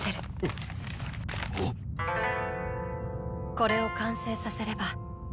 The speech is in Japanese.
これを完成させれば。